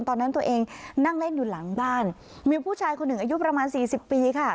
ตอนนั้นตัวเองนั่งเล่นอยู่หลังบ้านมีผู้ชายคนหนึ่งอายุประมาณสี่สิบปีค่ะ